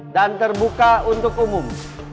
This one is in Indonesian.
dan terbuka untuk umum